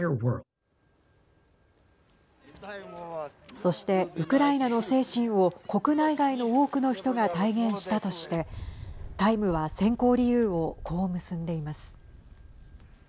そして、ウクライナの精神を国内外の多くの人が体現したとしてタイムは選考理由をこう結んでいます。